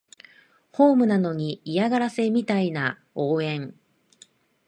ホームなのに嫌がらせみたいな応援